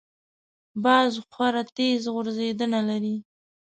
باز خورا تېز غورځېدنه لري